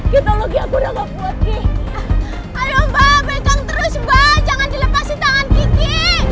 ketologi aku enggak buat ke ayo mbak bikang terus mbak jangan dilepasin tangan gigi